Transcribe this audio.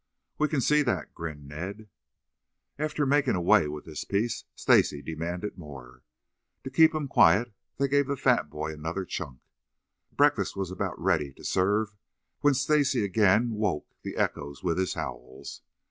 "We can see that," grinned Ned. After making away with this piece, Stacy demanded more. To keep him quiet they gave the fat boy another chunk. Breakfast was about ready to serve when Stacy again woke the echoes with his howls.